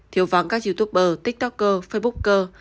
thiếu vắng các youtuber tiktoker facebooker